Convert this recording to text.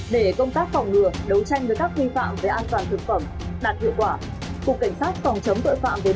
để công tác phòng ngừa đấu tranh với các vi phạm về an toàn thực phẩm đạt hiệu quả